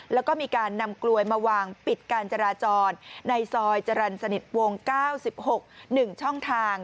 แล้วก็มีการนำกลวยมาวางปิดการจราจรในซอยจรรย์สนิทวง๙๖๑ช่องทาง